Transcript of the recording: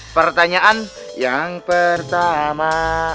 pertanyaan yang pertama